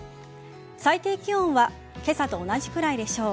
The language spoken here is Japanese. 最低気温は今朝と同じくらいでしょう。